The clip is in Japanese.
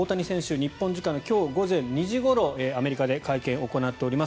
日本時間の今日午前２時ごろアメリカで会見を行っております。